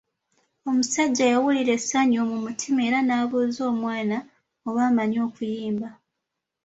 Omusajja yawulira essanyu mu mutima era n'abuuza omwana oba amanyi okuyimba.